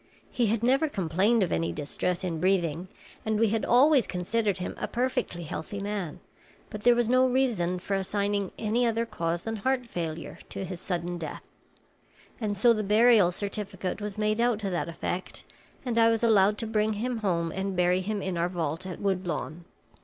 He had never complained of any distress in breathing, and we had always considered him a perfectly healthy man; but there was no reason for assigning any other cause than heart failure to his sudden death, and so the burial certificate was made out to that effect, and I was allowed to bring him home and bury him in our vault at Wood lawn.